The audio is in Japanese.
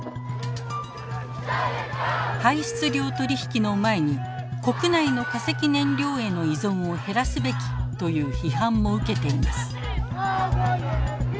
排出量取引の前に国内の化石燃料への依存を減らすべきという批判も受けています。